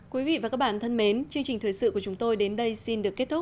quý vị và các bạn thân mến chương trình thời sự của chúng tôi đến đây xin được kết thúc